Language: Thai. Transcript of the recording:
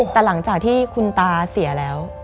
แต่หลังจากที่คุณตาเสียแล้ว